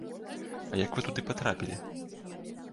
А як вы туды патрапілі?